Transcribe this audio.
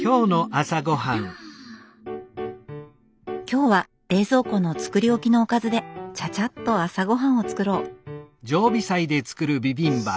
今日は冷蔵庫の作り置きのおかずでチャチャッと朝ごはんを作ろう。